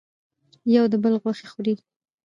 یو د بل غوښې خوري.